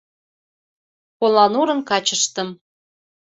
Поланурын качыштым